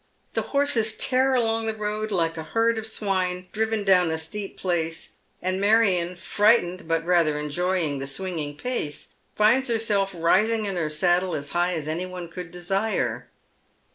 The horses tear along the road like the herd of swine rtnven down a steep place, and Marion, frightened, but rather enjoying the swinging pace, finds herself rising in her Baddle as high as anyone could desire.